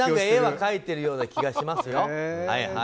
絵は描いているような気がしますよ。